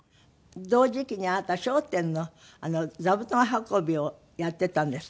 同時期にあなた『笑点』の座布団運びをやっていたんですって？